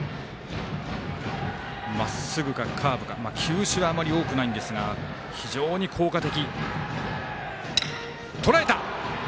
まっすぐかカーブか球種はあまり多くないですが非常に効果的。